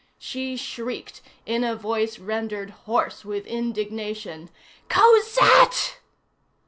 She shrieked in a voice rendered hoarse with indignation:— "Cosette!"